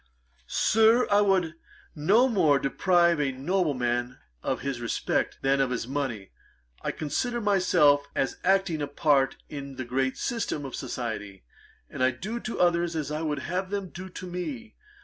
'Sir, I would no more deprive a nobleman of his respect, than of his money. I consider myself as acting a part in the great system of society, and I do to others as I would have them to do to me.